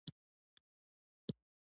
د حاصل ښه ساتنه د اقتصادي زیان مخنیوی کوي.